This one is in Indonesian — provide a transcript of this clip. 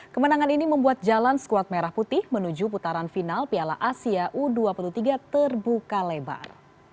kemenangan ini membuat jalan skuad merah putih menuju putaran final piala asia u dua puluh tiga terbuka lebar